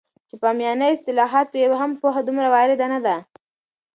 چې په عامیانه اصطلاحاتو یې هم پوهه دومره وارده نه ده